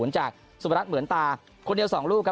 จากสุพนัทเหมือนตาคนเดียว๒ลูกครับ